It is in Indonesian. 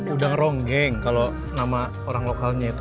udang ronggeng kalau nama orang lokalnya itu